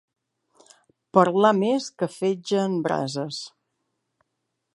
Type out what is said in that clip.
Parlar més que fetge en brases.